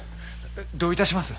どういたします？